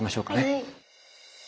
はい。